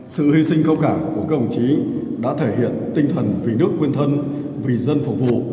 sự hy sinh cao cả của các đồng chí đã thể hiện tinh thần vì nước quên thân vì dân phục vụ